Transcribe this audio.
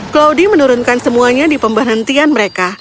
claudie menurunkan semuanya di pemberhentian mereka